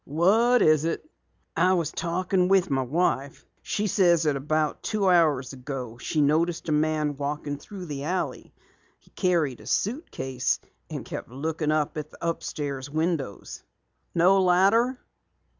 "What is it?" "I was talking with my wife. She says that about two hours ago she noticed a man walking through the alley. He carried a suitcase, and kept looking at the upstairs windows." "No ladder?"